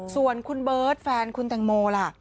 ส่วนคุณเบิร์ตแฟนคุณแตงโมล่ะ